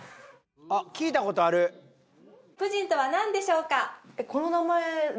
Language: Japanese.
プヂンとは何でしょうか？